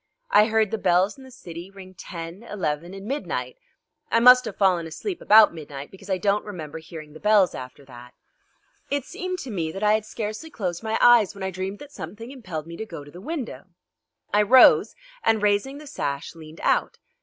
I heard the bells in the city ring ten, eleven, and midnight. I must have fallen asleep about midnight because I don't remember hearing the bells after that. It seemed to me that I had scarcely closed my eyes when I dreamed that something impelled me to go to the window. I rose, and raising the sash leaned out.